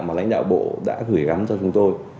mà lãnh đạo bộ đã gửi gắm cho chúng tôi